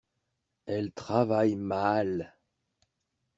Elle travaille mal.